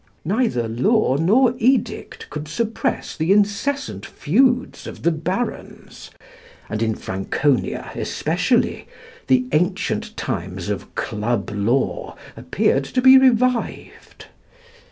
Neither law nor edict could suppress the incessant feuds of the Barons, and in Franconia especially, the ancient times of club law appeared to be revived.